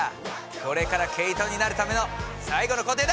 これから毛糸になるための最後の工程だ！